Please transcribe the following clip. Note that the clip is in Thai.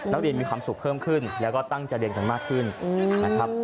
นักเรียนมีความสุขเพิ่มขึ้นแล้วก็ตั้งใจเด็กมากขึ้นนะครับ